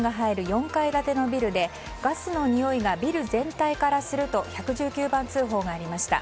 ４階建てのビルでガスのにおいがビル全体からすると１１９番通報がありました。